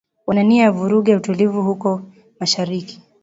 Wana nia ya kuvuruga utulivu huko mashariki